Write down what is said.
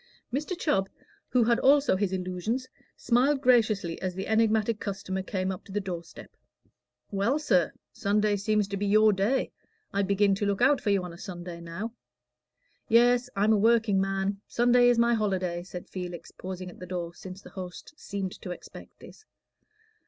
Mr. Chubb, who had also his illusions, smiled graciously as the enigmatic customer came up to the door step. "Well, sir, Sunday seems to be your day: I begin to look for you on a Sunday now." "Yes, I'm a workingman; Sunday is my holiday," said Felix, pausing at the door since the host seemed to expect this.